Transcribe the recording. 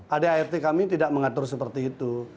ad art kami tidak mengatur seperti itu